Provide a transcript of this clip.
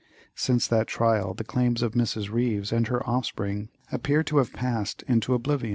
Since that trial, the claims of Mrs. Ryves and her offspring appear to have passed into oblivion.